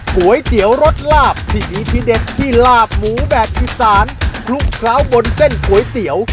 ก๋วยเตี๋ยวรสลาบที่มีที่เด็ดที่ลาบหมูแบบอีสานคลุกเคล้าบนเส้นก๋วยเตี๋ยว